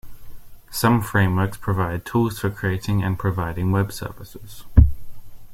Some frameworks provide tools for creating and providing web services.